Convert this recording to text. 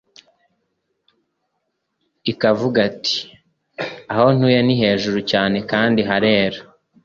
ikavuga iti: “Aho ntuye ni hejuru cyane kandi harera,